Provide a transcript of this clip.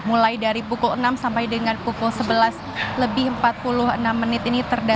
mulai dari pukul enam sampai dengan pukul sebelas lebih empat puluh enam menit ini